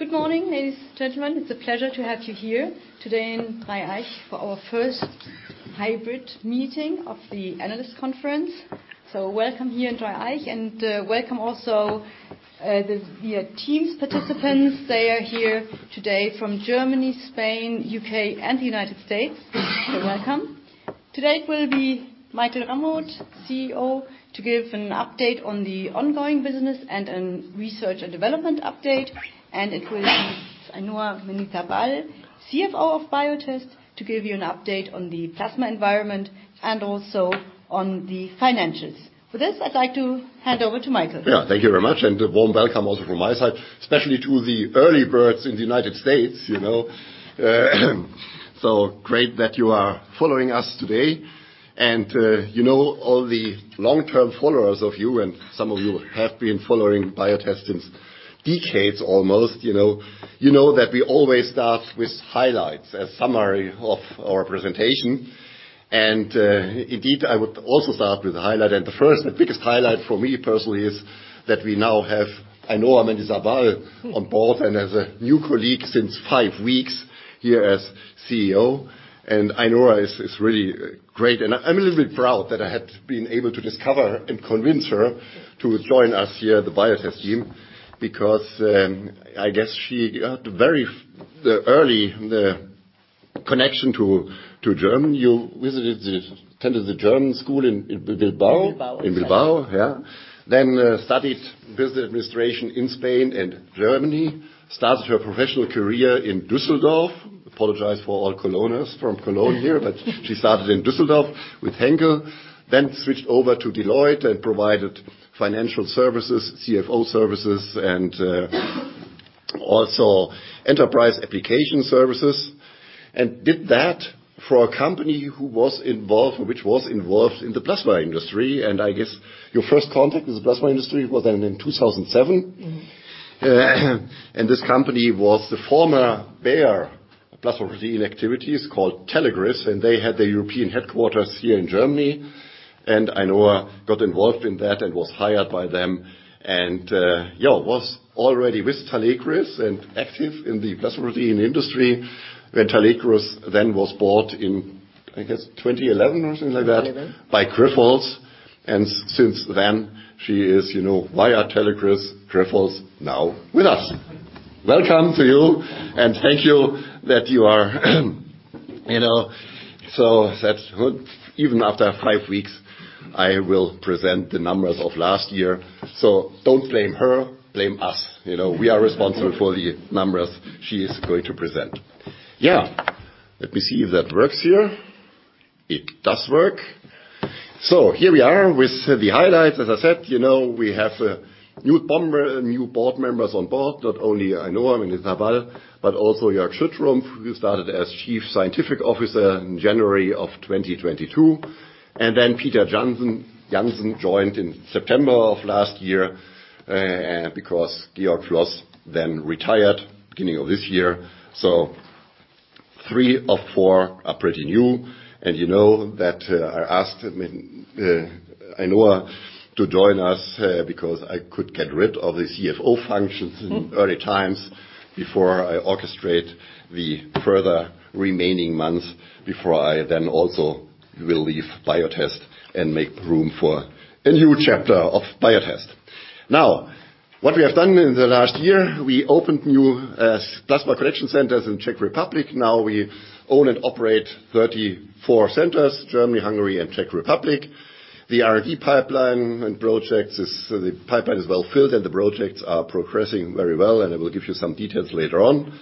Good morning, ladies and gentlemen. It's a pleasure to have you here today in Dreieich for our first hybrid meeting of the analyst conference. Welcome here in Dreieich, and welcome also the via Teams participants. They are here today from Germany, Spain, U.K., and the U.S. Welcome. Today it will be Michael Ramroth, CEO, to give an update on the ongoing business and an research and development update. It will be Ainhoa Mendizabal, CFO of Biotest, to give you an update on the plasma environment and also on the financials. For this, I'd like to hand over to Michael. Thank you very much, a warm welcome also from my side, especially to the early birds in the United States, you know. Great that you are following us today. You know, all the long-term followers of you, some of you have been following Biotest since decades almost, you know. You know that we always start with highlights as summary of our presentation. Indeed, I would also start with the highlight. The first and biggest highlight for me personally is that we now have Ainhoa Mendizabal on board and as a new colleague since five weeks here as CEO. Aenor is really great. I'm a little bit proud that I had been able to discover and convince her to join us here at the Biotest team, because I guess she got very. the early, the connection to Germany. You attended the German school in Bilbao. In Bilbao. In Bilbao, yeah. Studied business administration in Spain and Germany. Started her professional career in Düsseldorf. Apologize for all Cologners from Cologne here, but she started in Düsseldorf with Henkel. Switched over to Deloitte and provided financial services, CFO services, and also enterprise application services. Did that for a company who was involved, which was involved in the plasma industry. I guess your first contact with the plasma industry was then in 2007. This company was the former Bayer plasma protein activities called Talecris, and they had their European headquarters here in Germany. Ainhoa got involved in that and was hired by them and was already with Talecris and active in the plasma protein industry when Talecris then was bought in, I guess, 2011 or something like that. 2011. by Grifols. Since then, she is, you know, via Talecris, Grifols, now with us. Welcome to you, thank you that you are, you know, that's good. Even after five weeks, I will present the numbers of last year. Don't blame her, blame us, you know. We are responsible for the numbers she is going to present. Yeah. Let me see if that works here. It does work. Here we are with the highlights. As I said, you know, we have new board, new board members on board, not only Ainhoa Mendizabal, but also Jörg Schüttrumpf, who started as Chief Scientific Officer in January of 2022. Peter Janssen joined in September of last year, because Georg Floß then retired beginning of this year. Three of four are pretty new. You know that I asked Ainhoa to join us, because I could get rid of the CFO functions in early times before I orchestrate the further remaining months, before I then also will leave Biotest and make room for a new chapter of Biotest. What we have done in the last year, we opened new plasma collection centers in Czech Republic. We own and operate 34 centers, Germany, Hungary and Czech Republic. The pipeline is well filled, and the projects are progressing very well, and I will give you some details later on.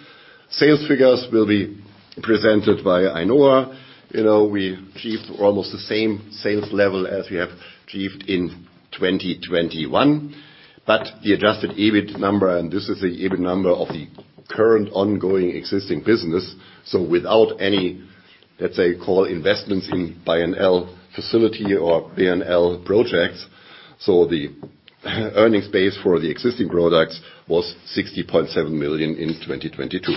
Sales figures will be presented by Ainhoa. You know, we achieved almost the same sales level as we have achieved in 2021. The adjusted EBIT number, and this is the EBIT number of the current ongoing existing business, so without any, let's say, call investments in P&L facility or P&L projects. The earnings base for the existing products was 60.7 million in 2022.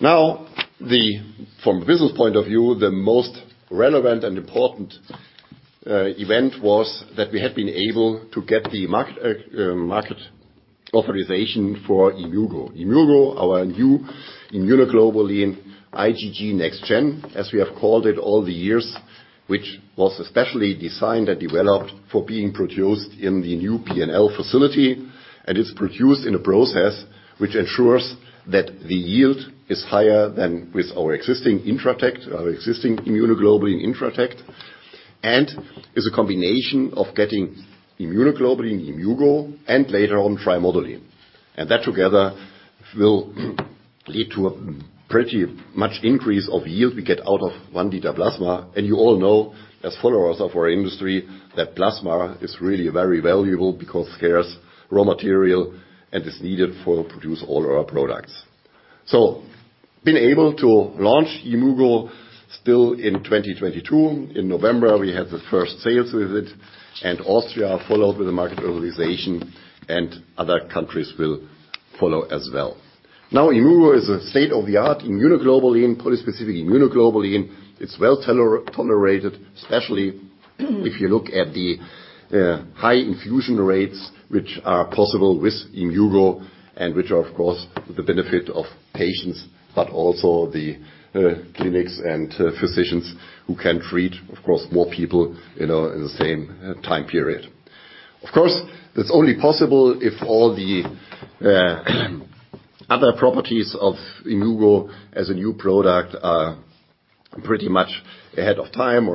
Now, the, from a business point of view, the most relevant and important event was that we had been able to get the market authorization for Yimmugo. Yimmugo, our new immunoglobulin IgG next gen, as we have called it all the years, which was specially designed and developed for being produced in the new P&L facility. It's produced in a process which ensures that the yield is higher than with our existing Intratect, our existing immunoglobulin Intratect, and is a combination of getting immunoglobulin Yimmugo and later on trimodulin. That together will lead to a pretty much increase of yield we get out of 1 liter plasma. You all know, as followers of our industry, that plasma is really very valuable because scarce raw material and is needed for produce all our products. Being able to launch Yimmugo still in 2022. In November, we had the first sales with it, and Austria followed with the market authorization and other countries will follow as well. Yimmugo is a state-of-the-art immunoglobulin, polyspecific immunoglobulin. It's well tolerated, especially if you look at the high infusion rates which are possible with Yimmugo and which are, of course, the benefit of patients but also the clinics and physicians who can treat, of course, more people, you know, in the same time period. Of course, that's only possible if all the other properties of Yimmugo as a new product are pretty much ahead of time,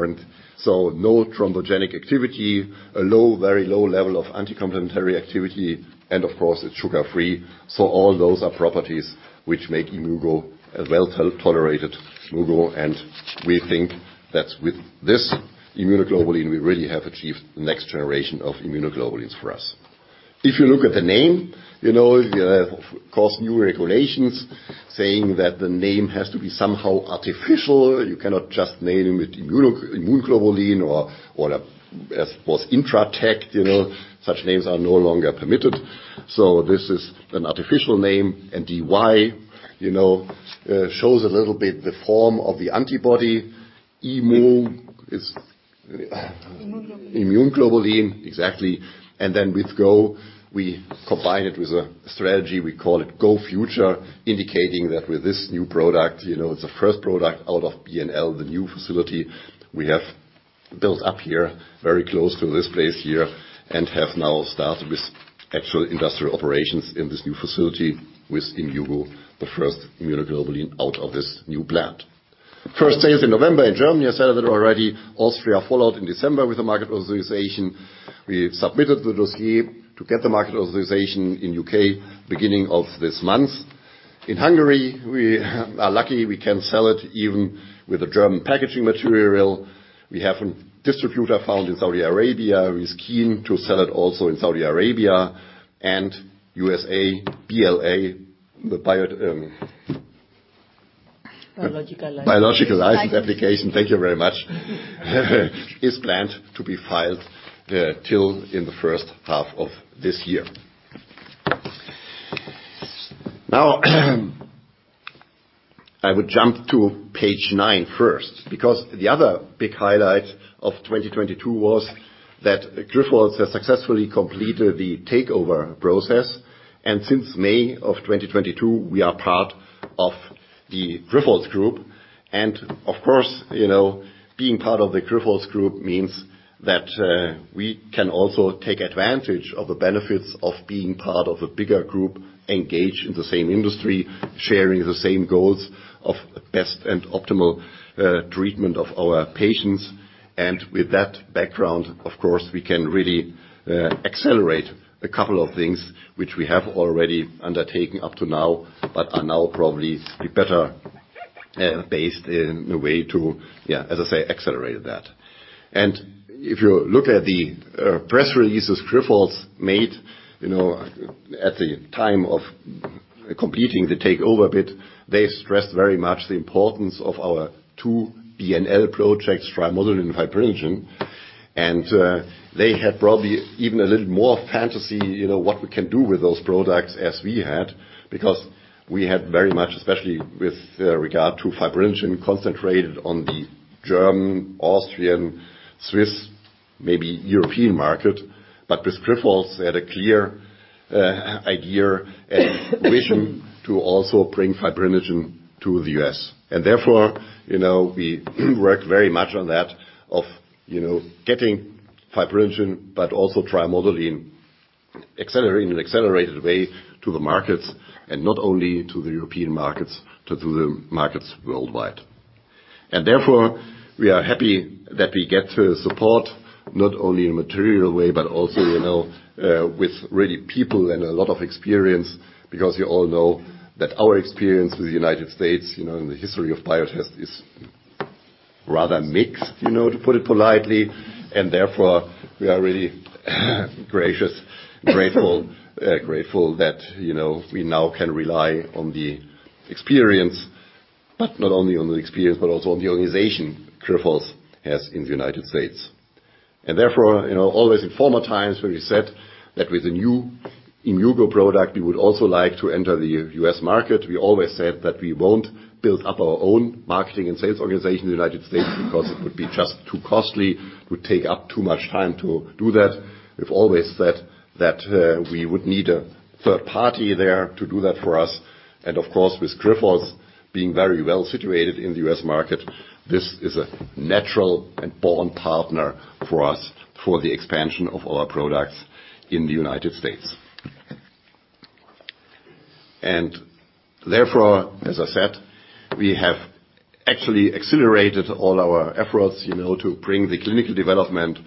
so no thrombogenic activity, a low, very low level of anticomplementary activity and of course it's sugar-free. All those are properties which make Yimmugo a well-tolerated Yimmugo, and we think that with this immunoglobulin, we really have achieved the next generation of immunoglobulins for us. If you look at the name, you know, you have of course new regulations saying that the name has to be somehow artificial. You cannot just name it Immunoglobulin or as was Intratect, you know. Such names are no longer permitted. This is an artificial name and Y, you know, shows a little bit the form of the antibody. Immu is Immunoglobulin. Immunoglobulin. Exactly. Then with go, we combine it with a strategy. We call it GoFuture, indicating that with this new product, you know, it's the first product out of BNL, the new facility we have built up here very close to this place here and have now started with actual industrial operations in this new facility with Yimmugo, the first immunoglobulin out of this new plant. First sales in November in Germany, I said that already. Austria followed in December with the market authorization. We have submitted the dossier to get the market authorization in UK beginning of this month. In Hungary, we are lucky we can sell it even with the German packaging material. We have a distributor found in Saudi Arabia who is keen to sell it also in Saudi Arabia. USA BLA. Biologics License. Biologics License Application, thank you very much. Is planned to be filed till in the H1 of this year. I will jump to page 9 first because the other big highlight of 2022 was that Grifols has successfully completed the takeover process. Since May of 2022, we are part of the Grifols group. Of course, you know, being part of the Grifols group means that we can also take advantage of the benefits of being part of a bigger group, engaged in the same industry, sharing the same goals of best and optimal treatment of our patients. With that background, of course, we can really accelerate a couple of things which we have already undertaken up to now but are now probably better based in a way to, yeah, as I say, accelerate that. If you look at the press releases Grifols made, you know, at the time of completing the takeover bit, they stressed very much the importance of our two BNL projects, trimodulin, Fibrinogen. They had probably even a little more fantasy, you know, what we can do with those products as we had because we had very much, especially with regard to Fibrinogen, concentrated on the German, Austrian, Swiss, maybe European market. With Grifols they had a clear idea and vision to also bring Fibrinogen to the US. Therefore, you know, we work very much on that of, you know, getting Fibrinogen but also trimodulin accelerating, in an accelerated way to the markets and not only to the European markets, to the markets worldwide. Therefore, we are happy that we get the support not only in material way, but also, you know, with really people and a lot of experience because you all know that our experience with the United States, you know, in the history of Biotest is rather mixed, you know, to put it politely and therefore we are really grateful that, you know, we now can rely on the experience. Not only on the experience, but also on the organization Grifols has in the United States. Therefore, you know, always in former times when we said that with the new Yimmugo product we would also like to enter the U.S. market. We always said that we won't build up our own marketing and sales organization in the United States because it would be just too costly, it would take up too much time to do that. We've always said that we would need a third party there to do that for us. Of course, with Grifols being very well situated in the U.S. market, this is a natural and born partner for us for the expansion of our products in the United States. Therefore, as I said, we have actually accelerated all our efforts, you know, to bring the clinical development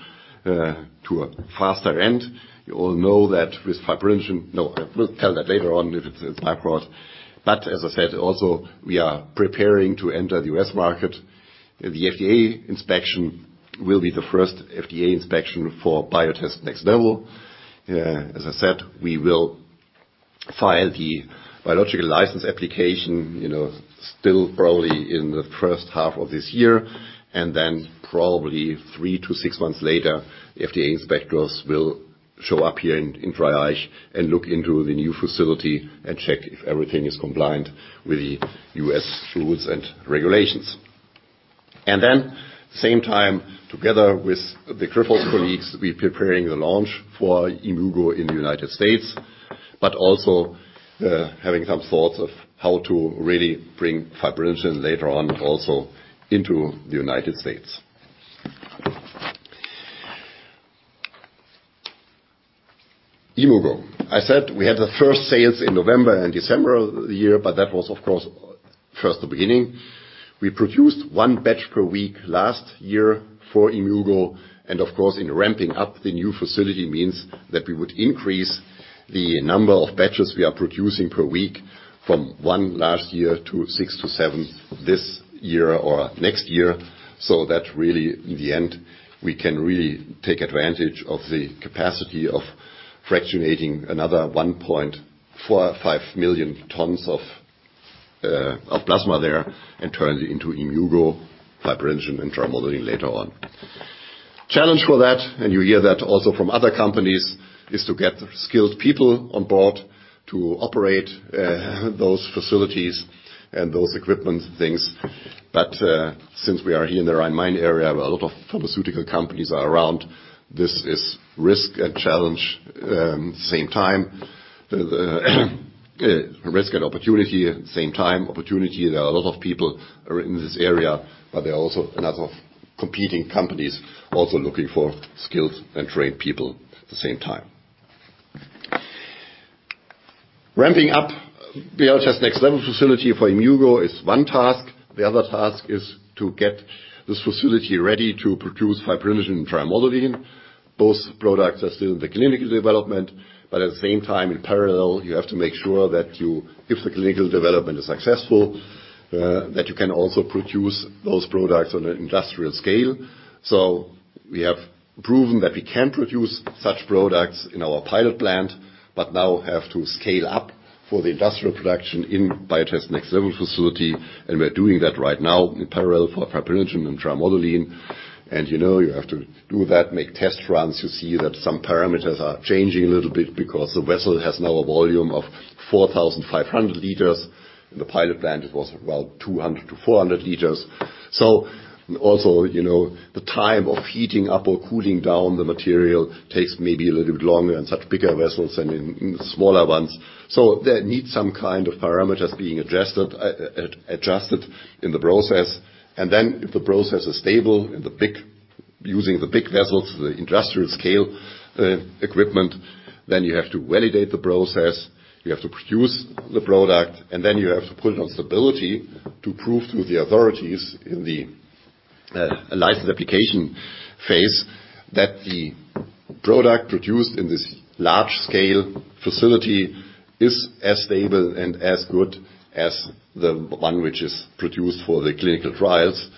to a faster end. I will tell that later on if it's across. As I said, also, we are preparing to enter the U.S. market. The FDA inspection will be the first FDA inspection for Biotest Next Level. As I said, we will file the Biologics License Application, you know, still probably in the H1 of this year. Probably 3-6 months later, FDA inspectors will show up here in Dreieich and look into the new facility and check if everything is compliant with the US rules and regulations. Same time, together with the Kedrion colleagues, we're preparing the launch for Yimmugo in the United States, but also having some thoughts of how to really bring fibrinogen later on also into the United States. Yimmugo. I said we had the first sales in November and December of the year, but that was, of course, just the beginning. We produced 1 batch per week last year for Yimmugo, and of course, in ramping up the new facility means that we would increase the number of batches we are producing per week from 1 last year to 6 to 7 this year or next year. That really, in the end, we can really take advantage of the capacity of fractionating another 1.4 to 1.5 million tons of plasma there and turn it into Yimmugo, Fibrinogen, and trimodulin later on. Challenge for that, and you hear that also from other companies, is to get skilled people on board to operate those facilities and those equipment things. Since we are here in the Rhine-Main area, where a lot of pharmaceutical companies are around, this is risk and challenge same time. The risk and opportunity, same time. Opportunity, there are a lot of people are in this area, but there are also a lot of competing companies also looking for skilled and trained people at the same time. Ramping up Biotest Next Level facility for Yimmugo is one task. The other task is to get this facility ready to produce Fibrinogen and trimodulin. Both products are still in the clinical development, but at the same time, in parallel, you have to make sure that you, if the clinical development is successful, that you can also produce those products on an industrial scale. We have proven that we can produce such products in our pilot plant, but now have to scale up for the industrial production in Biotest Next Level facility, and we're doing that right now in parallel for Fibrinogen and trimodulin. You know you have to do that, make test runs. You see that some parameters are changing a little bit because the vessel has now a volume of 4,500 liters. In the pilot plant it was about 200 to 400 liters. Also, you know, the time of heating up or cooling down the material takes maybe a little bit longer in such bigger vessels than in the smaller ones. That needs some kind of parameters being adjusted in the process. If the process is stable using the big vessels, the industrial scale equipment, then you have to validate the process, you have to produce the product, and then you have to put it on stability to prove to the authorities in the license application phase that the product produced in this large scale facility is as stable and as good as the one which is produced for the clinical trials.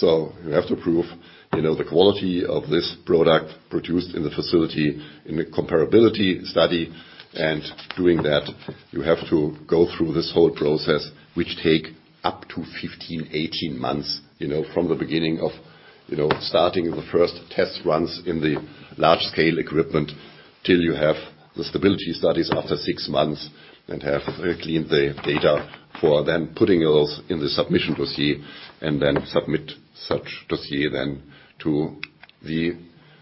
You have to prove, you know, the quality of this product produced in the facility in a comparability study. Doing that, you have to go through this whole process, which take up to 15-18 months, you know, from the beginning of, you know, starting the first test runs in the large scale equipment till you have the stability studies after 6 months and have cleaned the data for then putting those in the submission dossier and then submit such dossier then to the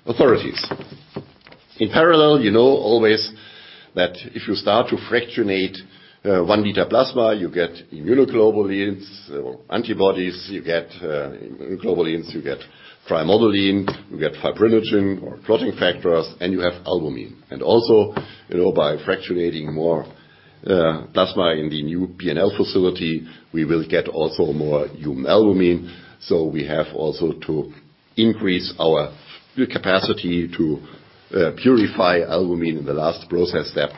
authorities. In parallel, you know always that if you start to fractionate, one liter plasma, you get immunoglobulins, antibodies, you get immunoglobulins, you get trimodulin, you get fibrinogen or clotting factors, and you have albumin. Also, you know, by fractionating more plasma in the new BNL facility, we will get also more human albumin. We have also to increase our capacity to purify albumin in the last process step,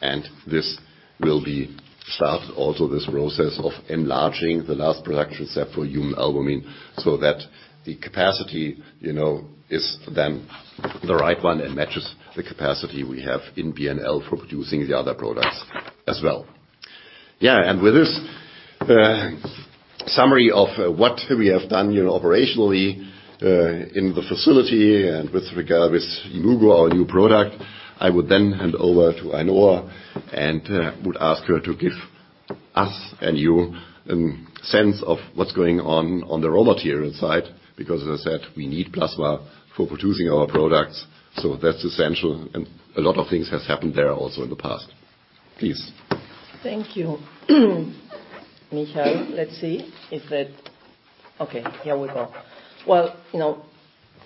and this will be started also this process of enlarging the last production step for human albumin so that the capacity, you know, is then the right one and matches the capacity we have in BNL for producing the other products as well. With this summary of what we have done, you know, operationally, in the facility and with regard with Yimmugo, our new product, I would then hand over to Ainhoa and would ask her to give us and you a sense of what's going on the raw material side, because as I said, we need plasma for producing our products, so that's essential and a lot of things has happened there also in the past. Please. Thank you, Michael. Okay, here we go. Well, you know,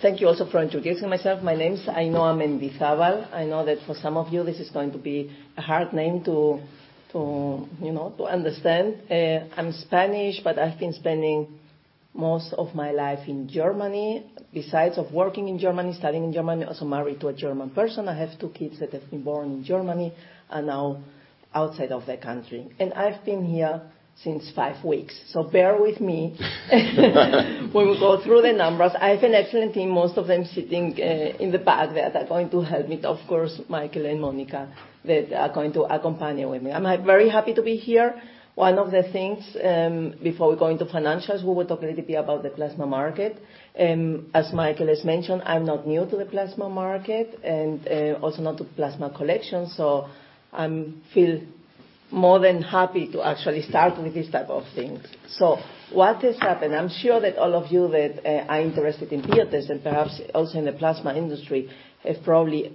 thank you also for introducing myself. My name's Ainhoa Mendizabal. I know that for some of you, this is going to be a hard name to, you know, to understand. I'm Spanish. I've been spending most of my life in Germany. Besides working in Germany, studying in Germany, also married to a German person. I have two kids that have been born in Germany and now outside of the country. I've been here since five weeks. Bear with me when we go through the numbers. I have an excellent team, most of them sitting in the back there, that are going to help me. Of course, Michael and Monika that are going to accompany with me. I'm very happy to be here. One of the things, before we go into financials, we will talk a little bit about the plasma market. As Michael has mentioned, I'm not new to the plasma market and also not to plasma collection, I'm more than happy to actually start with this type of things. What has happened, I'm sure that all of you that are interested in Biotest and perhaps also in the plasma industry are probably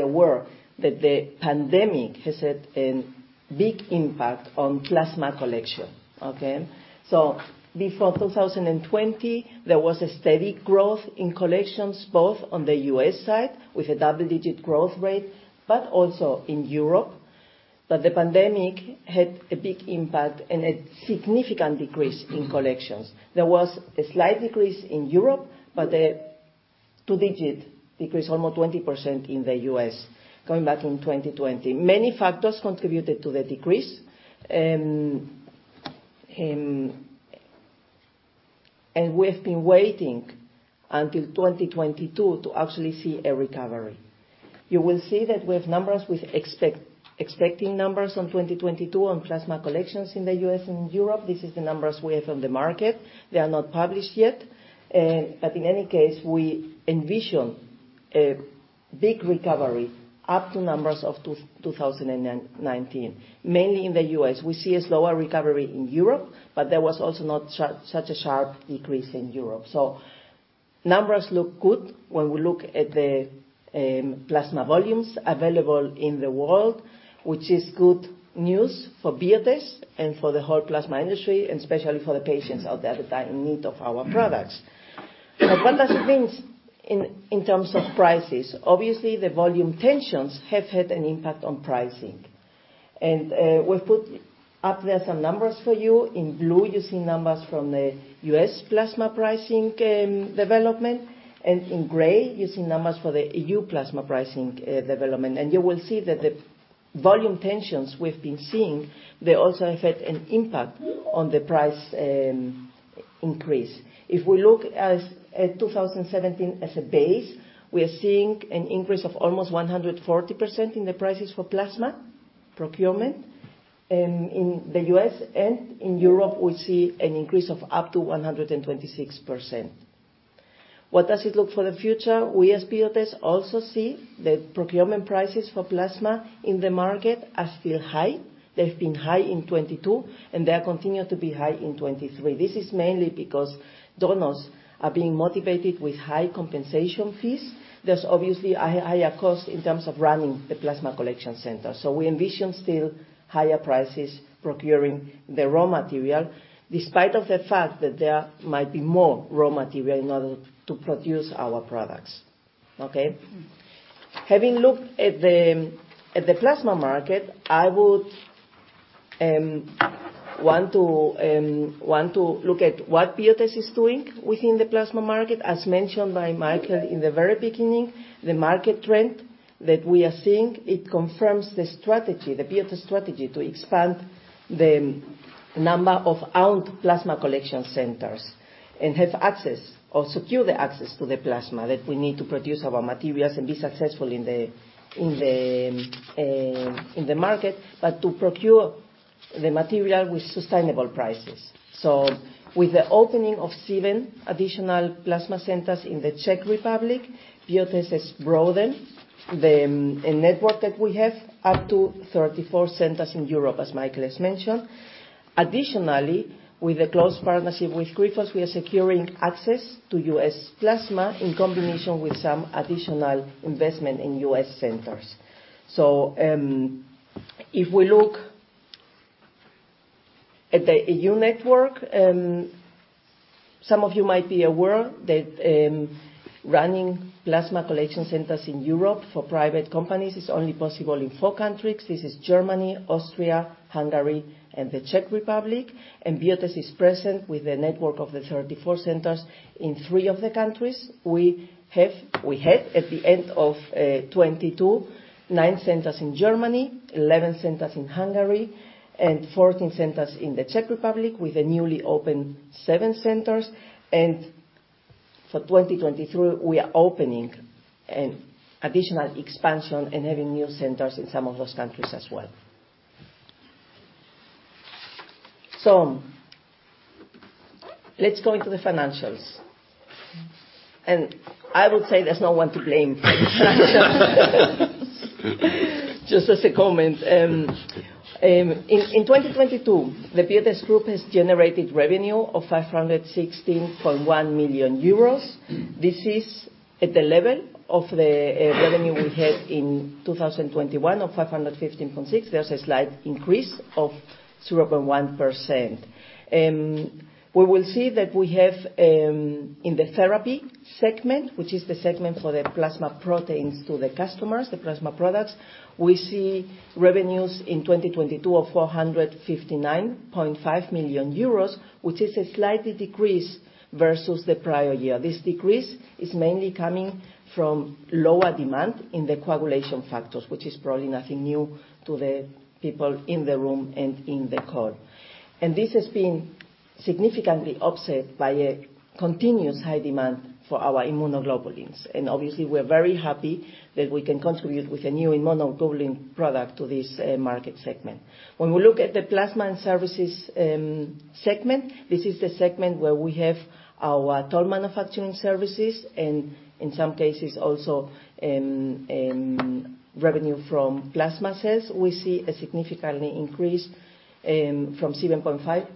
aware that the pandemic has had an big impact on plasma collection, okay? Before 2020, there was a steady growth in collections, both on the U.S. side with a double-digit growth rate, but also in Europe. The pandemic had a big impact and a significant decrease in collections. There was a slight decrease in Europe, but a two-digit decrease, almost 20% in the U.S., going back in 2020. Many factors contributed to the decrease. We've been waiting until 2022 to actually see a recovery. You will see that we have numbers with expecting numbers on 2022 on plasma collections in the U.S. and Europe. This is the numbers we have on the market. They are not published yet. In any case, we envision a big recovery up to numbers of 2019, mainly in the U.S. We see a slower recovery in Europe, but there was also not such a sharp decrease in Europe. Numbers look good when we look at the plasma volumes available in the world, which is good news for Biotest and for the whole plasma industry, and especially for the patients out there that are in need of our products. What does it mean in terms of prices? Obviously, the volume tensions have had an impact on pricing. We put up there some numbers for you. In blue, you see numbers from the U.S. plasma pricing development, and in gray, you see numbers for the EU plasma pricing development. You will see that the volume tensions we've been seeing, they also have had an impact on the price increase. If we look at 2017 as a base, we are seeing an increase of almost 140% in the prices for plasma procurement. In the U.S. and in Europe, we see an increase of up to 126%. What does it look for the future? We as Biotest also see the procurement prices for plasma in the market are still high. They've been high in 2022, and they are continued to be high in 2023. This is mainly because donors are being motivated with high compensation fees. There's obviously a higher cost in terms of running the plasma collection center. We envision still higher prices procuring the raw material despite of the fact that there might be more raw material in order to produce our products, okay? Having looked at the plasma market, I would want to look at what Biotest is doing within the plasma market. As mentioned by Michael Ramroth in the very beginning, the market trend that we are seeing, it confirms the strategy, the Biotest strategy to expand the number of owned plasma collection centers and have access or secure the access to the plasma that we need to produce our materials and be successful in the in the market, but to procure the material with sustainable prices. With the opening of 7 additional plasma centers in the Czech Republic, Biotest has broadened the network that we have up to 34 centers in Europe, as Michael Ramroth has mentioned. Additionally, with a close partnership with Grifols, we are securing access to U.S. plasma in combination with some additional investment in U.S. centers. If we look at the EU network, some of you might be aware that running plasma collection centers in Europe for private companies is only possible in 4 countries. This is Germany, Austria, Hungary, and the Czech Republic. Biotest is present with a network of the 34 centers in 3 of the countries. We had at the end of 2022, 9 centers in Germany, 11 centers in Hungary, and 14 centers in the Czech Republic with a newly opened 7 centers. For 2023, we are opening an additional expansion and having new centers in some of those countries as well. Let's go into the financials. I would say there's no one to blame. Just as a comment. In 2022, the Biotest group has generated revenue of 516.1 million euros. This is at the level of the revenue we had in 2021 of 515.6. There's a slight increase of 0.1%. We will see that we have in the therapy segment, which is the segment for the plasma proteins to the customers, the plasma products, we see revenues in 2022 of 459.5 million euros, which is a slight decrease versus the prior year. This decrease is mainly coming from lower demand in the coagulation factors, which is probably nothing new to the people in the room and in the call. This has been significantly offset by a continuous high demand for our immunoglobulins. Obviously, we're very happy that we can contribute with a new immunoglobulin product to this market segment. When we look at the plasma and services segment, this is the segment where we have our total manufacturing services and in some cases also revenue from plasma cells, we see a significantly increase from 7.8%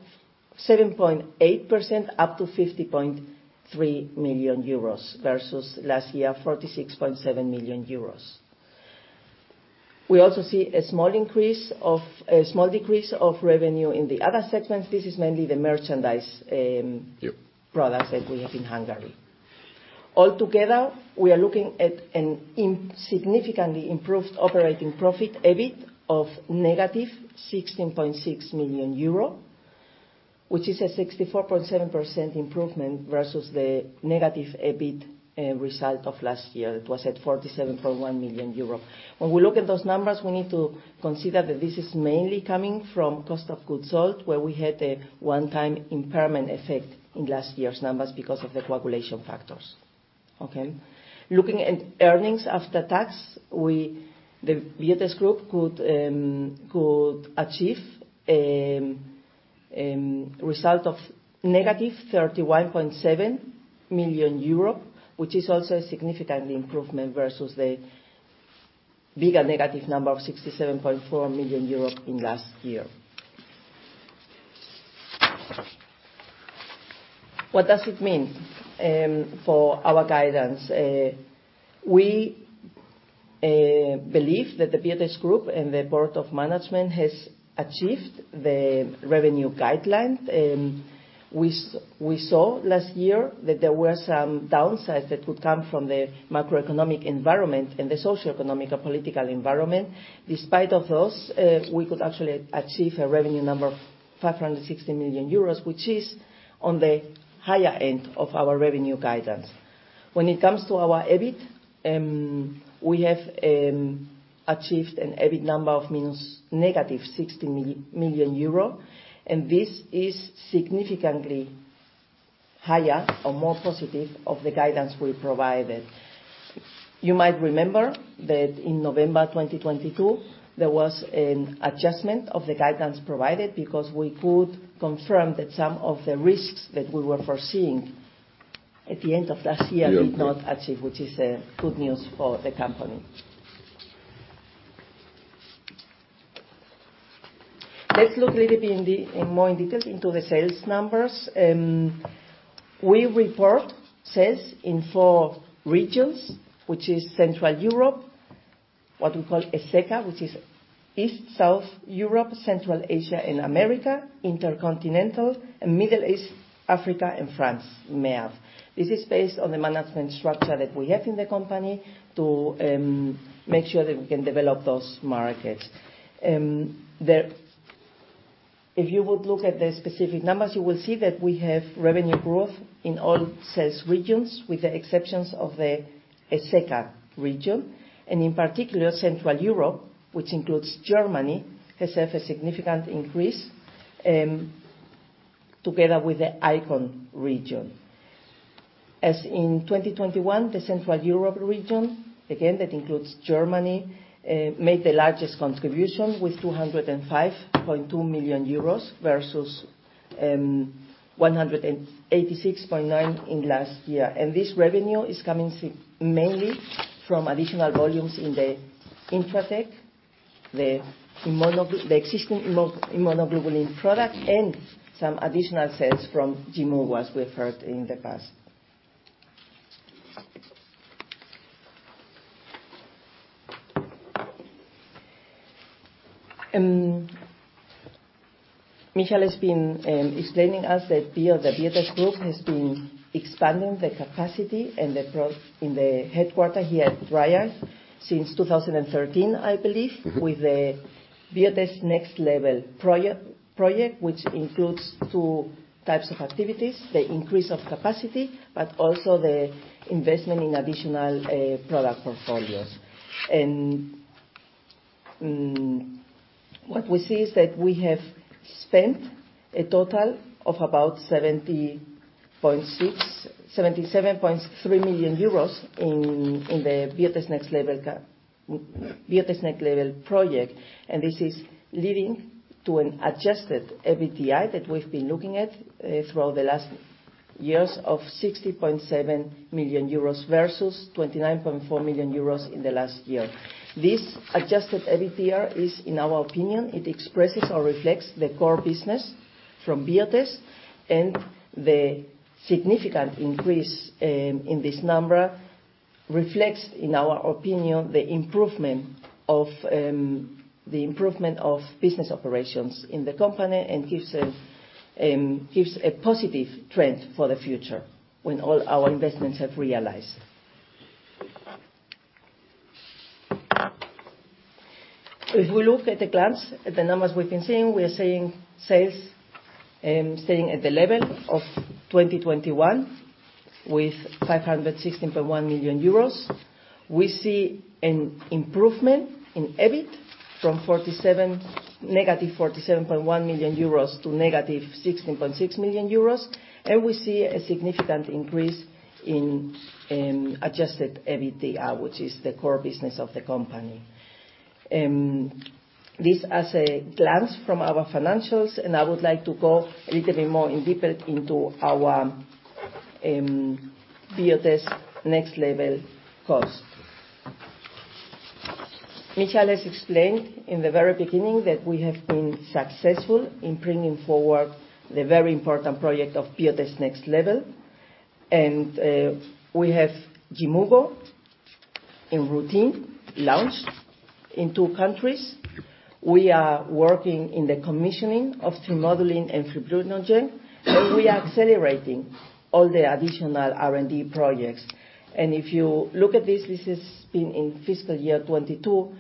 up to 50.3 million euros, versus last year, 46.7 million euros. We also see a small decrease of revenue in the other segments. This is mainly the merchandise. Yep products that we have in Hungary. All together, we are looking at a significantly improved operating profit, EBIT, of negative 16.6 million euro, which is a 64.7% improvement versus the negative EBIT result of last year. It was at 47.1 million euros. When we look at those numbers, we need to consider that this is mainly coming from cost of goods sold, where we had a one-time impairment effect in last year's numbers because of the coagulation factors. Looking at earnings after tax, the Biotest Group could achieve a result of negative 31.7 million euro, which is also a significant improvement versus the bigger negative number of 67.4 million euros in last year. What does it mean for our guidance? We believe that the Biotest Group and the board of management has achieved the revenue guideline. We saw last year that there were some downsides that could come from the macroeconomic environment and the socioeconomic or political environment. Despite of those, we could actually achieve a revenue number of 560 million euros, which is on the higher end of our revenue guidance. When it comes to our EBIT, we have achieved an EBIT number of minus 60 million euro, and this is significantly higher or more positive of the guidance we provided. You might remember that in November 2022, there was an adjustment of the guidance provided because we could confirm that some of the risks that we were foreseeing at the end of last year. Yeah, okay. did not achieve, which is good news for the company. Let's look little bit in more in detail into the sales numbers. We report sales in four regions, which is Central Europe, what we call ESECA, which is East, South Europe, Central Asia, and America, Intercontinental, and Middle East, Africa, and France, MEAF. This is based on the management structure that we have in the company to make sure that we can develop those markets. If you would look at the specific numbers, you will see that we have revenue growth in all sales regions, with the exceptions of the ESECA region. In particular, Central Europe, which includes Germany, has had a significant increase together with the Icon region. As in 2021, the Central Europe region, again, that includes Germany, made the largest contribution with 205.2 million euros versus 186.9 in last year. This revenue is coming mainly from additional volumes in the Intratect, the existing immunoglobulin product, and some additional sales from Yimmugo, as we've heard in the past. Michael has been explaining us that the Biotest Group has been expanding the capacity and in the headquarter here at Dreieich since 2013, I believe. with the Biotest Next Level project, which includes two types of activities, the increase of capacity, but also the investment in additional product portfolios. What we see is that we have spent a total of about 77.3 million euros in the Biotest Next Level project, and this is leading to an adjusted EBITDA that we've been looking at through the last years of 60.7 million euros versus 29.4 million euros in the last year. This adjusted EBITDA is, in our opinion, it expresses or reflects the core business from Biotest. The significant increase in this number reflects, in our opinion, the improvement of the improvement of business operations in the company and gives a give a positive trend for the future when all our investments have realized. If we look at a glance at the numbers we've been seeing, we are seeing sales staying at the level of 2021 with 560.1 million euros. We see an improvement in EBIT from -47.1 to 60.6 million. We see a significant increase in adjusted EBITDA, which is the core business of the company. This as a glance from our financials, I would like to go a little bit more in depth into our Biotest Next Level cost. Michael has explained in the very beginning that we have been successful in bringing forward the very important project of Biotest Next Level. We have Yimmugo in routine, launched in two countries. We are working in the commissioning of trimodulin and Fibrinogen, we are accelerating all the additional R&D projects. If you look at this has been in fiscal year 2022,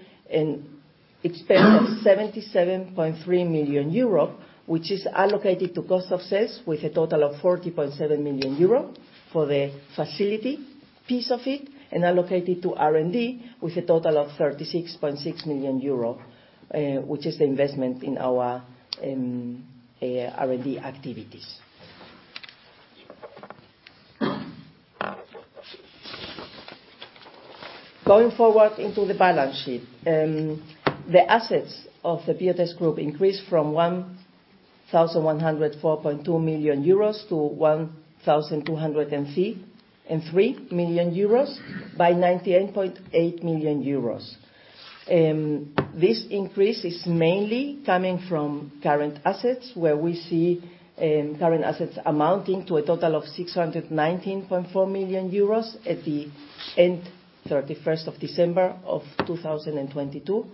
it spent 77.3 million euro, which is allocated to cost of sales with a total of 40.7 million euro for the facility piece of it, allocated to R&D with a total of 36.6 million euro, which is the investment in our R&D activities. Going forward into the balance sheet. The assets of the Biotest group increased from 1,104.2 to 1,203.3 million by 98.8 million euros. This increase is mainly coming from current assets, where we see current assets amounting to a total of 619.4 million euros at the end, December 31, 2022.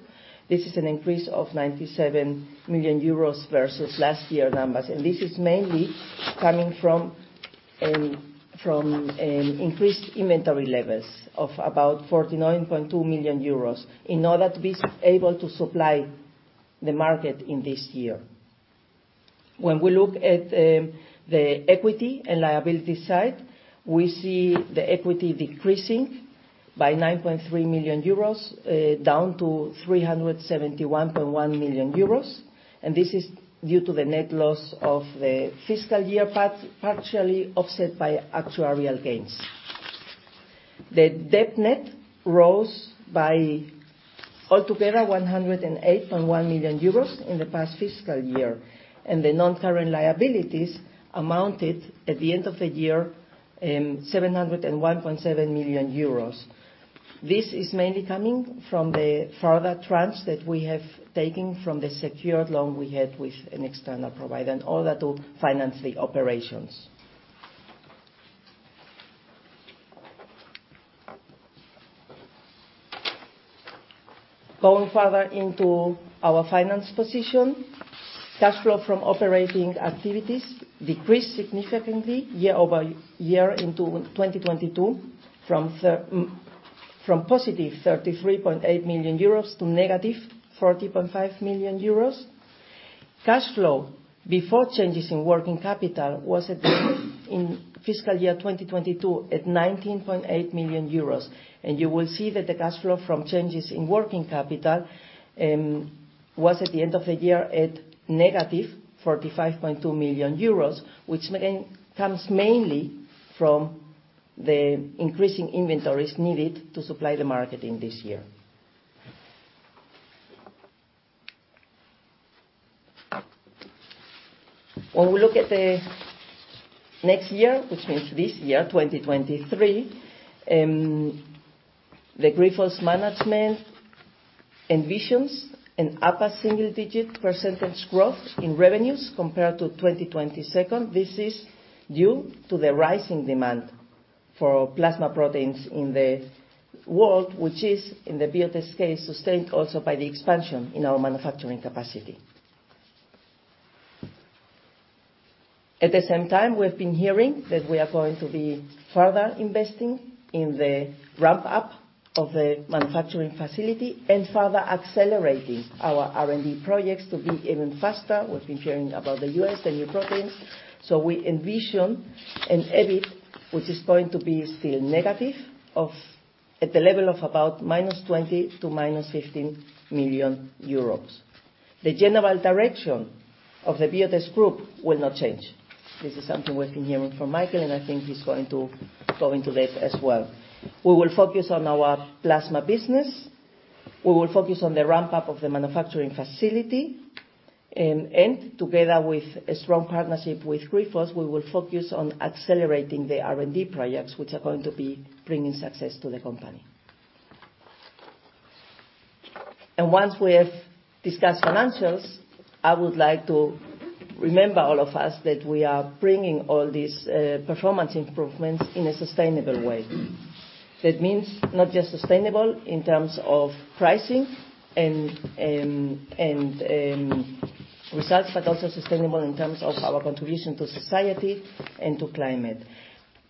This is an increase of 97 million euros versus last year numbers. This is mainly coming from increased inventory levels of about 49.2 million euros in order to be able to supply the market in this year. When we look at the equity and liability side, we see the equity decreasing by 9.3 million euros, down to 371.1 million euros. This is due to the net loss of the fiscal year partially offset by actuarial gains. The debt net rose by altogether 108.1 million euros in the past fiscal year. The non-current liabilities amounted, at the end of the year, 701.7 million euros. This is mainly coming from the further tranche that we have taken from the secured loan we had with an external provider in order to finance the operations. Going further into our finance position, cash flow from operating activities decreased significantly year-over-year into 2022 from positive 33.8 million euros to negative 40.5 million euros. Cash flow before changes in working capital was at in fiscal year 2022 at 19.8 million euros. You will see that the cash flow from changes in working capital was, at the end of the year, at negative 45.2 million euros, which again comes mainly from the increasing inventories needed to supply the market in this year. When we look at the next year, which means this year, 2023, the Grifols management envisions an upper single-digit percentage growth in revenues compared to 2022. This is due to the rising demand for plasma proteins in the world, which is, in the Biotest case, sustained also by the expansion in our manufacturing capacity. At the same time, we've been hearing that we are going to be further investing in the ramp up of the manufacturing facility and further accelerating our R&D projects to be even faster. We've been hearing about the U.S., the new programs. We envision an EBIT which is going to be still negative of. at the level of about -20 to 15 million. The general direction of the Biotest group will not change. This is something we've been hearing from Michael, and I think he's going to go into that as well. We will focus on our plasma business. We will focus on the ramp up of the manufacturing facility. Together with a strong partnership with Grifols, we will focus on accelerating the R&D projects, which are going to be bringing success to the company. Once we have discussed financials, I would like to remember all of us that we are bringing all these performance improvements in a sustainable way. That means not just sustainable in terms of pricing and results, but also sustainable in terms of our contribution to society and to climate.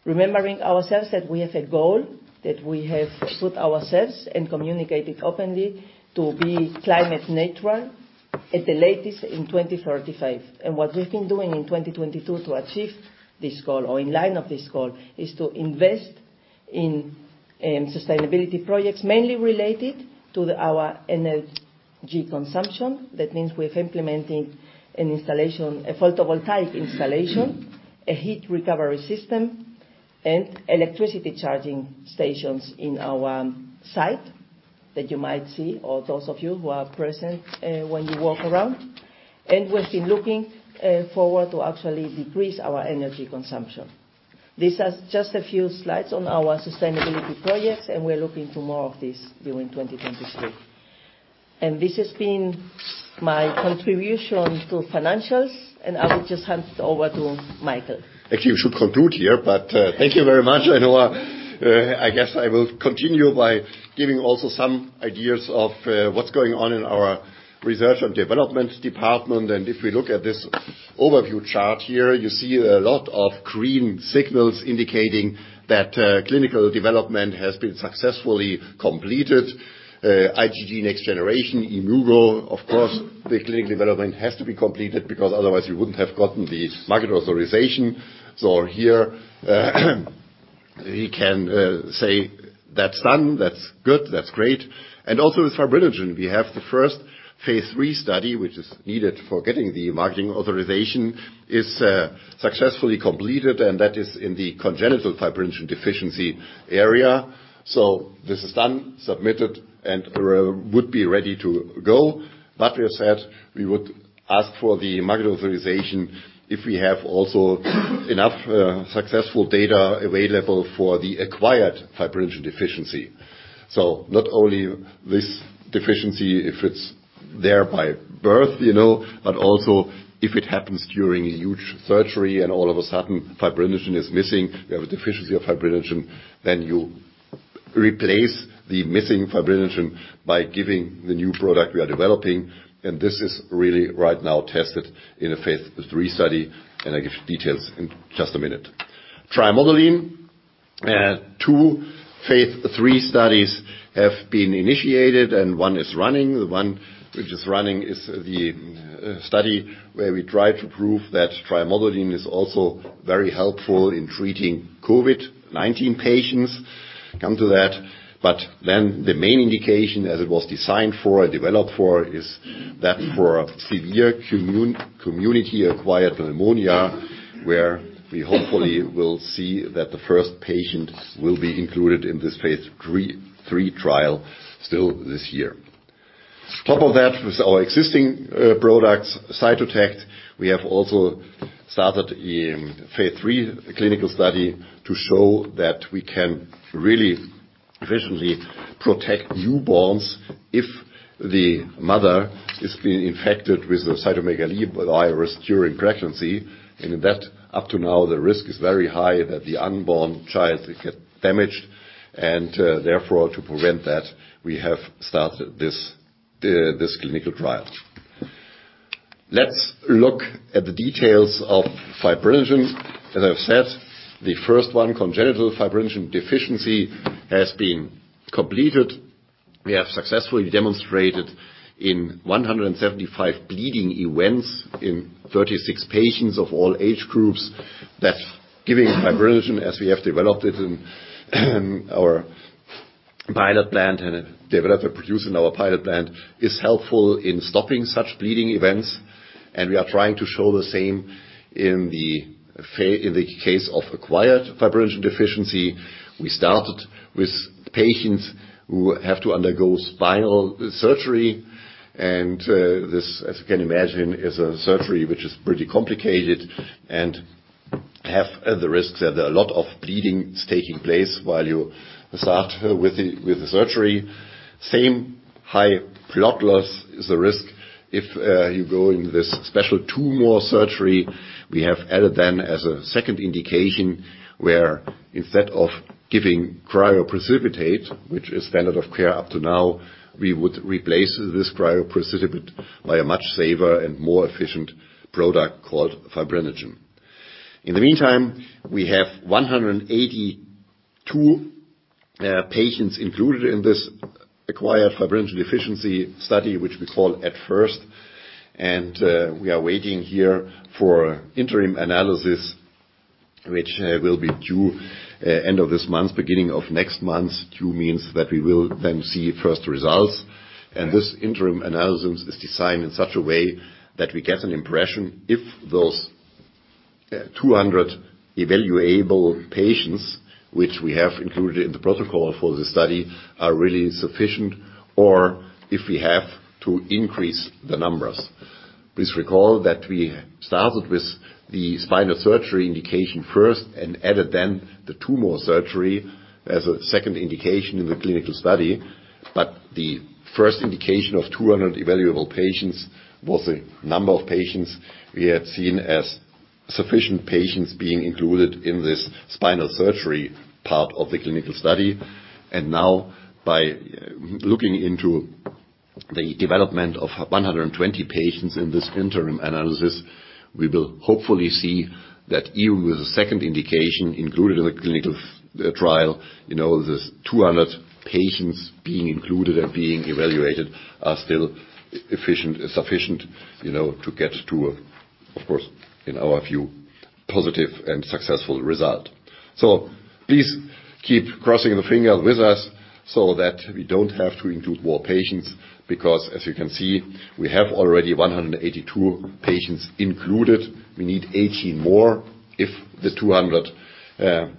Remembering ourselves that we have a goal that we have put ourselves and communicated openly to be climate neutral at the latest in 2035. What we've been doing in 2022 to achieve this goal or in line of this goal, is to invest in sustainability projects, mainly related to our energy consumption. We're implementing an installation, a photovoltaic installation, a heat recovery system, and electricity charging stations in our site. That you might see or those of you who are present when you walk around. We've been looking forward to actually decrease our energy consumption. This is just a few slides on our sustainability projects, and we're looking to more of this during 2023. This has been my contribution to financials, and I will just hand it over to Michael. Actually, you should conclude here, but thank you very much, Aino. I guess I will continue by giving also some ideas of what's going on in our research and development department. If we look at this overview chart here, you see a lot of green signals indicating that clinical development has been successfully completed. IgG Next Generation, Yimmugo, of course, the clinical development has to be completed because otherwise we wouldn't have gotten the market authorization. Here, we can say that's done, that's good, that's great. Also with Fibrinogen, we have the first Phase III study, which is needed for getting the marketing authorization, is successfully completed, and that is in the congenital fibrinogen deficiency area. This is done, submitted, and would be ready to go. That being said, we would ask for the market authorization if we have also enough successful data available for the acquired fibrinogen deficiency. Not only this deficiency, if it's there by birth, you know, but also if it happens during a huge surgery and all of a sudden fibrinogen is missing, you have a deficiency of fibrinogen, then you replace the missing fibrinogen by giving the new product we are developing. This is really right now tested in a phase three study, and I give details in just a minute. trimodulin, two phase three studies have been initiated, and one is running. The one which is running is the study where we try to prove that trimodulin is also very helpful in treating COVID-19 patients. Come to that. The main indication as it was designed for and developed for is that for severe community-acquired pneumonia, where we hopefully will see that the first patient will be included in this Phase III trial still this year. On top of that, with our existing products, Cytotect, we have also started a Phase III clinical study to show that we can really efficiently protect newborns if the mother is being infected with the cytomegalovirus during pregnancy. Up to now, the risk is very high that the unborn child could get damaged, and therefore, to prevent that, we have started this clinical trial. Let's look at the details of fibrinogen. As I've said, the first one, congenital fibrinogen deficiency, has been completed. We have successfully demonstrated in 175 bleeding events in 36 patients of all age groups that giving fibrinogen as we have developed it in our pilot plant and developed or produced in our pilot plant, is helpful in stopping such bleeding events. We are trying to show the same in the case of acquired fibrinogen deficiency. We started with patients who have to undergo spinal surgery, this, as you can imagine, is a surgery which is pretty complicated and have the risks that a lot of bleeding is taking place while you start with the surgery. Same high blood loss is a risk if you go in this special tumor surgery. We have added then as a second indication where instead of giving cryoprecipitate, which is standard of care up to now, we would replace this cryoprecipitate by a much safer and more efficient product called fibrinogen. In the meantime, we have 182 patients included in this acquired fibrinogen deficiency study, which we call AdFIrst. We are waiting here for interim analysis, which will be due end of this month, beginning of next month. Due means that we will then see first results. This interim analysis is designed in such a way that we get an impression if those 200 evaluable patients, which we have included in the protocol for the study, are really sufficient, or if we have to increase the numbers. Please recall that we started with the spinal surgery indication first and added then the tumor surgery as a second indication in the clinical study. The first indication of 200 evaluable patients was the number of patients we had seen as sufficient patients being included in this spinal surgery part of the clinical study. Now, by looking into the development of 120 patients in this interim analysis, we will hopefully see that even with the second indication included in the clinical trial, you know, this 200 patients being included and being evaluated are still sufficient, you know, to get to, of course, in our view, positive and successful result. Please keep crossing the fingers with us so that we don't have to include more patients, because as you can see, we have already 182 patients included. We need 18 more if the 200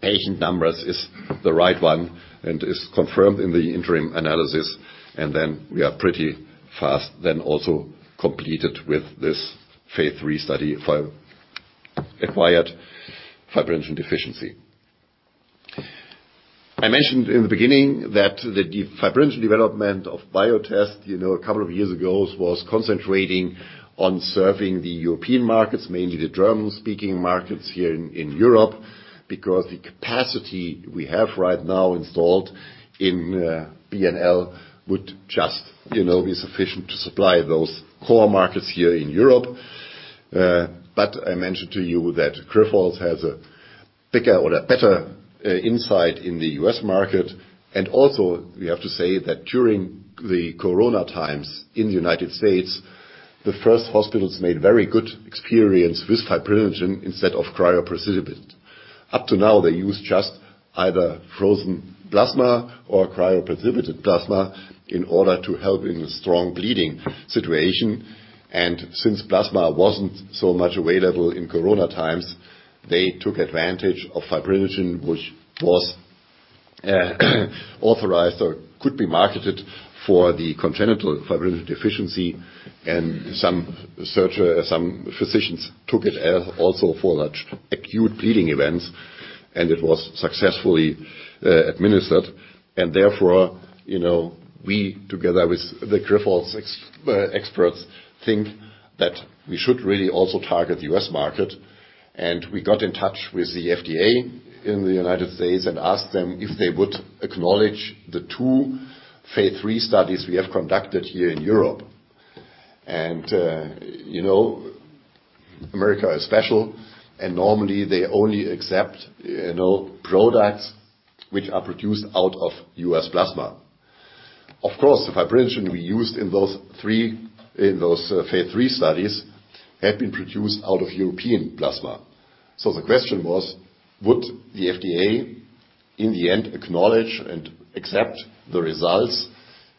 Patient numbers is the right one and is confirmed in the interim analysis, we are pretty fast then also completed with this Phase III study for acquired fibrinogen deficiency. I mentioned in the beginning that the fibrinogen development of Biotest, you know, a couple of years ago was concentrating on serving the European markets, mainly the German-speaking markets here in Europe, because the capacity we have right now installed in BNL would just, you know, be sufficient to supply those core markets here in Europe. I mentioned to you that Grifols has a bigger or a better insight in the U.S. market, we have to say that during the corona times in the United States, the first hospitals made very good experience with fibrinogen instead of cryoprecipitate. Up to now, they used just either frozen plasma or cryoprecipitated plasma in order to help in the strong bleeding situation. Since plasma wasn't so much available in corona times, they took advantage of fibrinogen, which was authorized or could be marketed for the congenital fibrinogen deficiency. Some surgeon, some physicians took it also for large acute bleeding events, and it was successfully administered. Therefore, you know, we together with the Grifols experts, think that we should really also target the U.S. market. We got in touch with the FDA in the United States and asked them if they would acknowledge the two Phase III studies we have conducted here in Europe. You know, America is special and normally they only accept, you know, products which are produced out of U.S. plasma. Of course, the fibrinogen we used in those phase III studies have been produced out of European plasma. The question was, would the FDA in the end acknowledge and accept the results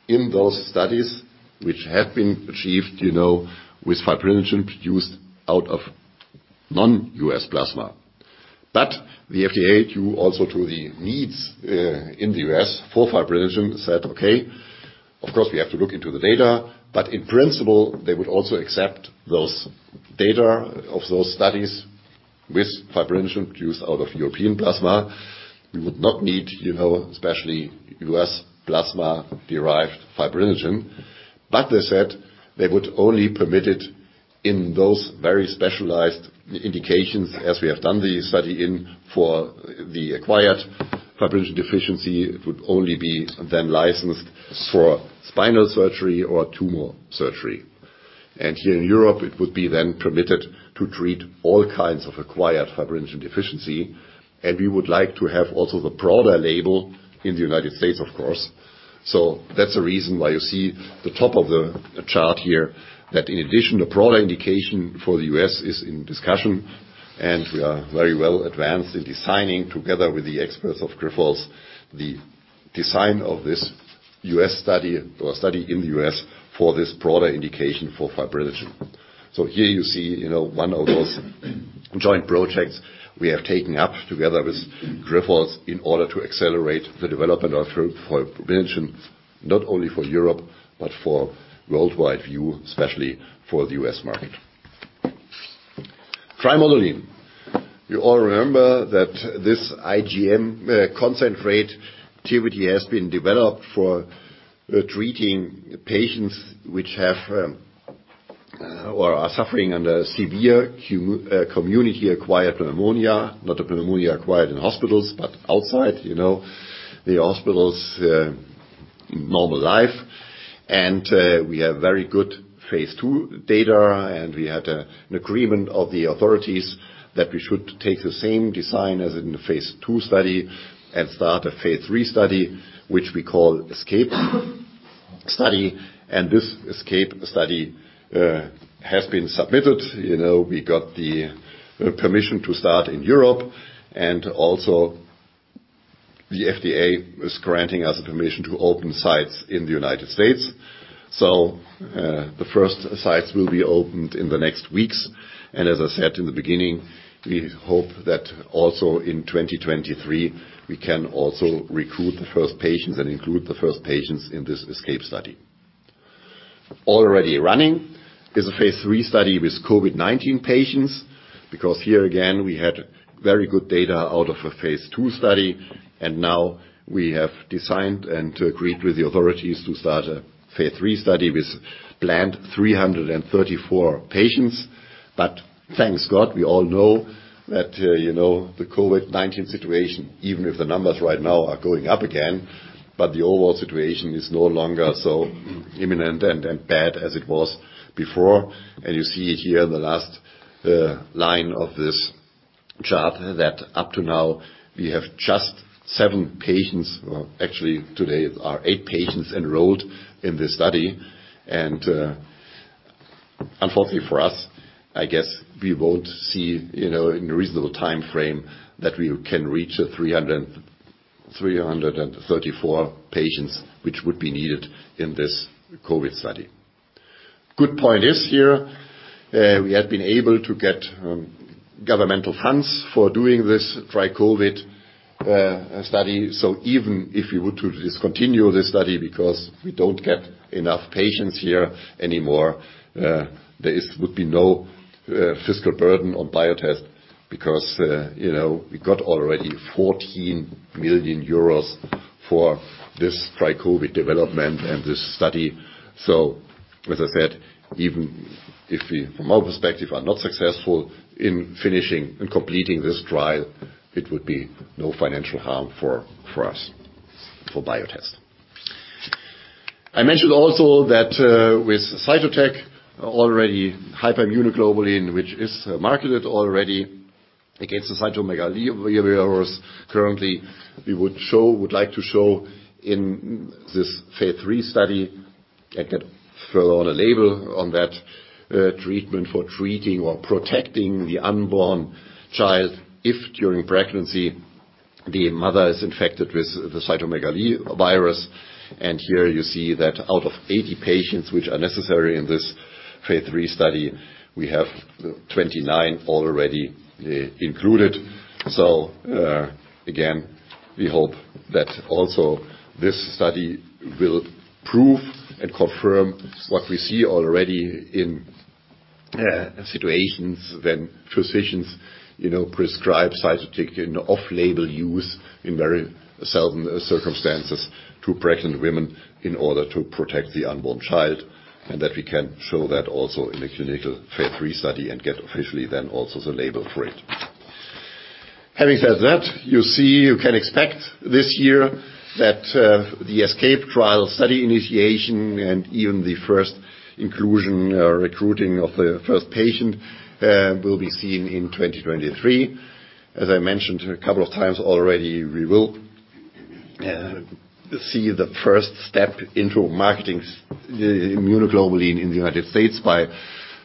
in those studies which have been achieved, you know, with fibrinogen produced out of non-U.S. plasma? The FDA, due also to the needs in the U.S. for fibrinogen, said, "Okay. Of course, we have to look into the data." In principle, they would also accept those data of those studies with fibrinogen produced out of European plasma. We would not need, you know, especially U.S. plasma-derived fibrinogen. They said they would only permit it in those very specialized indications as we have done the study in for the acquired fibrinogen deficiency, it would only be then licensed for spinal surgery or tumor surgery. Here in Europe, it would be then permitted to treat all kinds of acquired fibrinogen deficiency, and we would like to have also the broader label in the US, of course. That's the reason why you see the top of the chart here, that in addition, the broader indication for the US is in discussion, and we are very well advanced in designing together with the experts of Grifols, the design of this US study or study in the US for this broader indication for fibrinogen. Here you see, you know, one of those joint projects we have taken up together with Grifols in order to accelerate the development for fibrinogen, not only for Europe, but for worldwide view, especially for the US market. Trimodulin. You all remember that this IGM concentrate activity has been developed for treating patients which have or are suffering under severe community-acquired pneumonia, not a pneumonia acquired in hospitals, but outside, you know, the hospital's normal life. We have very good phase 2 data, and we had an agreement of the authorities that we should take the same design as in the phase 2 study and start a phase 3 study, which we call ESsCAPE study. This ESsCAPE study has been submitted. You know, we got the permission to start in Europe, and also the FDA is granting us a permission to open sites in the United States. The first sites will be opened in the next weeks. As I said in the beginning, we hope that also in 2023, we can also recruit the first patients and include the first patients in this ESCAPE study. Already running is a phase III study with COVID-19 patients, because here again, we had very good data out of a phase II study, and now we have designed and agreed with the authorities to start a phase III study with planned 334 patients. Thank God, we all know that, you know, the COVID-19 situation, even if the numbers right now are going up again, but the overall situation is no longer so imminent and bad as it was before. You see here the last line of this chart that up to now we have just 7 patients, or actually today are 8 patients enrolled in this study. Unfortunately for us, I guess we won't see, you know, in a reasonable timeframe that we can reach the 334 patients which would be needed in this COVID study. Good point is here, we have been able to get governmental funds for doing this TRICOVID study. Even if we were to discontinue the study because we don't get enough patients here anymore, there would be no fiscal burden on Biotest because, you know, we got already 14 million euros for this TRICOVID development and this study. As I said, even if we, from our perspective, are not successful in finishing and completing this trial, it would be no financial harm for us, for Biotest. I mentioned also that with Cytotect already hyperimmune globulin, which is marketed already against the cytomegalovirus. Currently, we would like to show in this Phase III study and get further on a label on that treatment for treating or protecting the unborn child if during pregnancy, the mother is infected with the cytomegalovirus. Here you see that out of 80 patients which are necessary in this Phase III study, we have 29 already included. Again, we hope that also this study will prove and confirm what we see already in situations when physicians, you know, prescribe Cytotec in off-label use in very seldom circumstances to pregnant women in order to protect the unborn child, and that we can show that also in the clinical Phase III study and get officially then also the label for it. Having said that, you see, you can expect this year that the ESCAPE trial study initiation and even the first inclusion recruiting of the first patient will be seen in 2023. As I mentioned a couple of times already, we will see the first step into marketing immunoglobulin in the United States by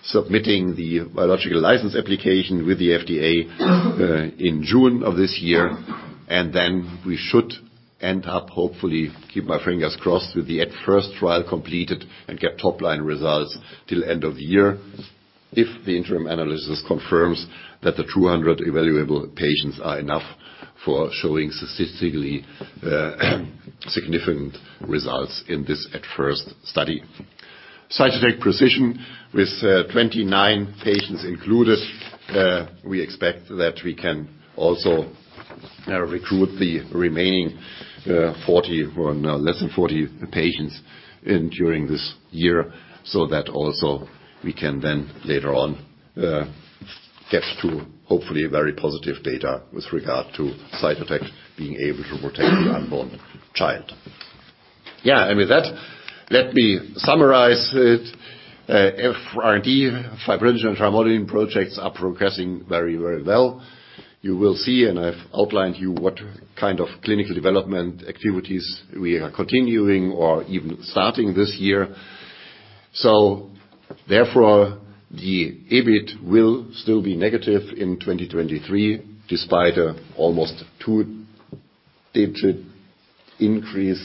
submitting the Biologics License Application with the FDA in June of this year. We should end up, hopefully, keep my fingers crossed, with the AdFIrst trial completed and get top-line results till end of the year. If the interim analysis confirms that the 200 evaluable patients are enough for showing statistically significant results in this AdFIrst study. Cytotect PreCyssion with 29 patients included, we expect that we can also recruit the remaining 40 or less than 40 patients in during this year so that also we can then later on get to hopefully very positive data with regard to Cytotect being able to protect the unborn child. Yeah. With that, let me summarize it. R&D, fibrinogen and trimodulin projects are progressing very, very well. You will see, and I've outlined you what kind of clinical development activities we are continuing or even starting this year. Therefore, the EBIT will still be negative in 2023 despite a almost 2-digit increase.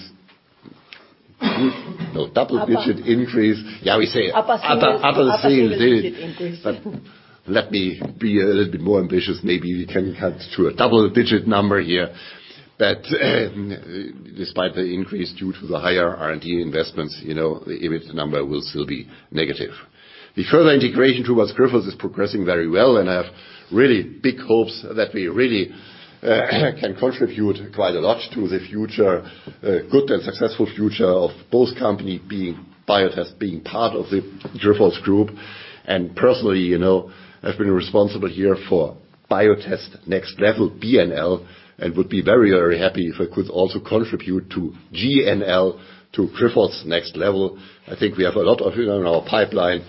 No double-digit increase. Upper. Yeah, we say upper single. Upper single-digit increase. Let me be a little bit more ambitious. Maybe we can cut to a double-digit number here that despite the increase due to the higher R&D investments, you know, the EBIT number will still be negative. The further integration towards Grifols is progressing very well. I have really big hopes that we really can contribute quite a lot to the future, good and successful future of both company being Biotest being part of the Grifols group. Personally, you know, I've been responsible here for Biotest Next Level, BNL, and would be very, very happy if I could also contribute to GNL, to Grifols Next Level. I think we have a lot of it in our pipeline.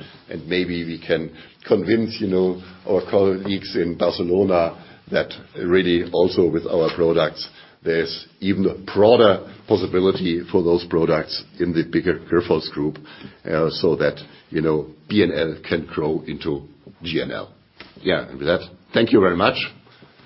Maybe we can convince, you know, our colleagues in Barcelona that really also with our products, there's even a broader possibility for those products in the bigger Grifols group, so that, you know, BNL can grow into GNL. Yeah. With that, thank you very much.